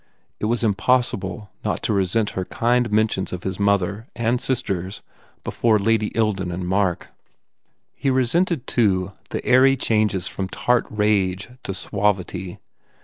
It was impossible not to resent her kind mentions of his mother and sisters before Lady Ilden and Mark. He resented, too, the airy changes from tart rage to suavity.